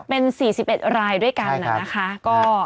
เป็น๔๑รายด้วยกันนะคะ